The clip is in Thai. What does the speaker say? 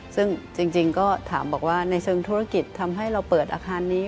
ซึ่งจริงก็ถามบอกว่าในเชิงธุรกิจทำให้เราเปิดอาคารนี้